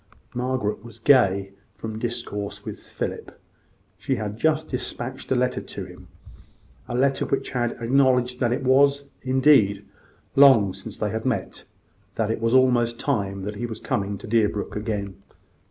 Margaret was gay from discourse with Philip. She had just despatched a letter to him a letter which had acknowledged that it was, indeed, long since they had met that it was almost time that he was coming to Deerbrook again.